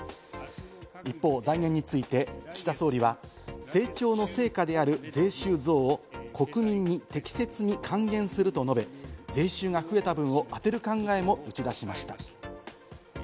一方、財源について岸田総理は成長の成果である税収増を国民に適切に還元すると述べ、税収が増えた分をあてる考えも打ち出しました。